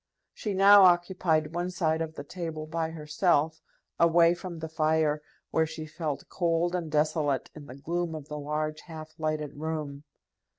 She now occupied one side of the table by herself, away from the fire, where she felt cold and desolate in the gloom of the large half lighted room.